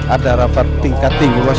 ada rapat tingkat tinggi mas